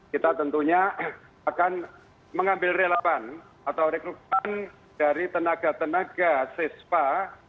kita tentunya akan mengambil relawan atau rekrutmen dari tenaga tenaga sespa